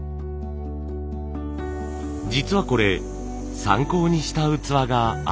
実はこれ参考にした器があるんです。